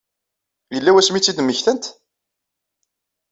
Yella wasmi i tt-id-mmektant?